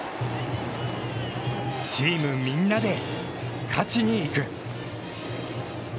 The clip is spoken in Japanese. チームみんなで、勝ちにいく。